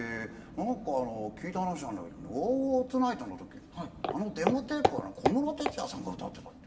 何か聞いた話なんだけどね『ＷＯＷＷＡＲＴＯＮＩＧＨＴ』の時あのデモテープは小室哲哉さんが歌ってたって。